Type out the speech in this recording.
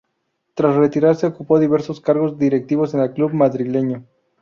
Tras retirarse ocupó diversos cargos directivos en el club madrileño.